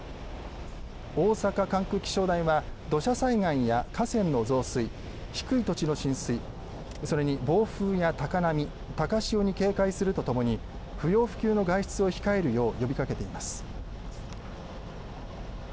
大阪管区気象台は土砂災害や河川の増水低い土地の浸水それに暴風や高波高潮に警戒するとともに不要不急の外出を控えるよう呼びかけています。